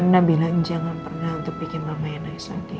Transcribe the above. karena na bilang jangan pernah dipikin mama yang naik character